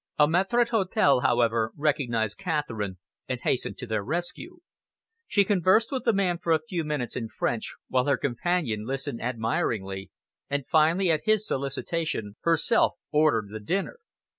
A maitre d'hotel, however, recognised Catherine and hastened to their rescue. She conversed with the man for a few minutes in French, while her companion listened admiringly, and finally, at his solicitation, herself ordered the dinner.